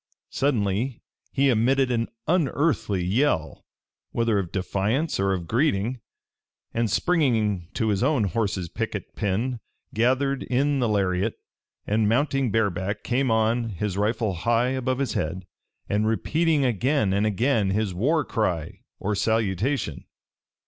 Suddenly he emitted an unearthly yell, whether of defiance or of greeting, and springing to his own horse's picket pin gathered in the lariat, and mounting bareback came on, his rifle high above his head, and repeating again and again his war cry or salutation.